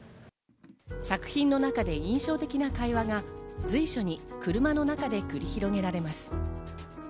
作品の中で印象的な会話が随所に車の中で繰り広げられます。